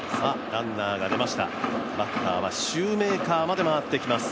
ランナーが出ました、バッターはシューメーカーまで回ってきます。